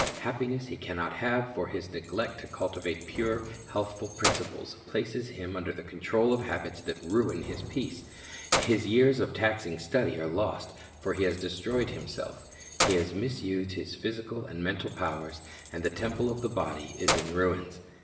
Happiness he can not have; for his neglect to cultivate pure, healthful principles places him under the control of habits that ruin his peace. His years of taxing Hidden Treasure 109 study are lost; for he has destroyed himself. He has misused his physical and mental powers, and the temple of the body is in ruins.